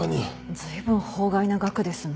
随分法外な額ですね。